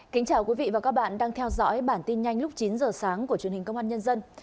kính chào quý vị và các bạn đang theo dõi bản tin nhanh lúc chín giờ sáng của truyền hình công an nhân dân